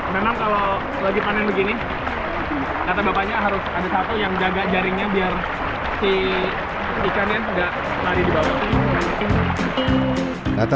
memang kalau lagi panen begini kata bapaknya harus ada satu yang jaga jaringnya biar si ikannya tidak lari di bawah